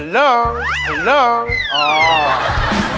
ฝรั่งฝรั่ง